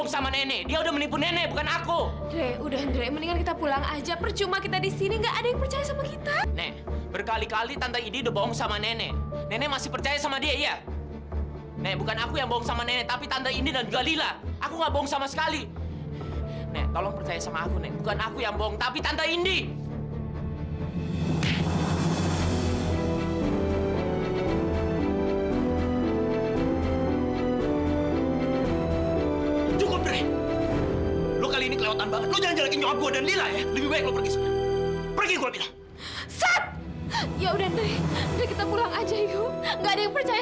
sampai jumpa di video selanjutnya